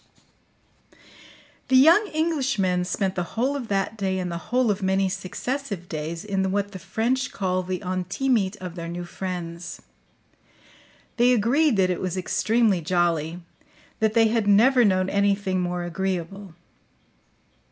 The young Englishmen spent the whole of that day and the whole of many successive days in what the French call the intimite of their new friends. They agreed that it was extremely jolly, that they had never known anything more agreeable.